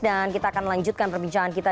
dan kita akan melanjutkan perbincangan kita